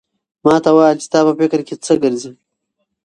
ما ته وایه چې ستا په فکر کې څه ګرځي؟